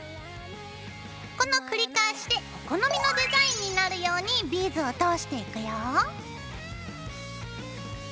この繰り返しでお好みのデザインになるようにビーズを通していくよ。